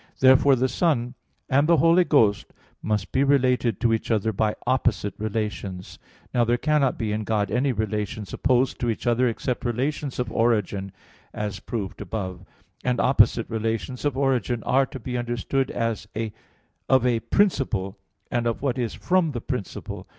Therefore the Son and the Holy Ghost must be related to each other by opposite relations. Now there cannot be in God any relations opposed to each other, except relations of origin, as proved above (Q. 28, A. 4). And opposite relations of origin are to be understood as of a "principle," and of what is "from the principle."